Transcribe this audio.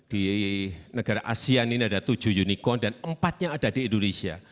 di negara asean ini ada tujuh unicorn dan empat nya ada di indonesia